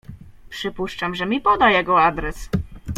"Przypuszczam, że mi poda jego adres."